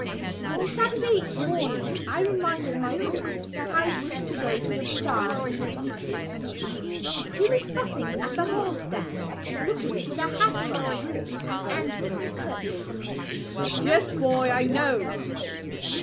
On Saturday morning I reminded my uncle that I wished to go to the bazaar in the evening. He was fussing at the hallstand, looking for the hat brush, and answered me curtly: "Yes, boy, I know."